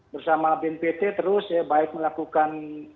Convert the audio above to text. bersama bnpt terus ya baik melakukan